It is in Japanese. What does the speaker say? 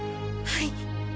はい。